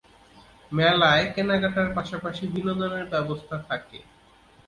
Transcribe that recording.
মেলায় কেনাকাটার পাশাপাশি বিনোদনের ব্যবস্থা থাকে।